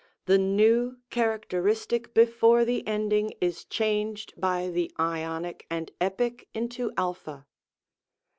The v characteristic before the end ing is changed by the Ionic and Epic into a.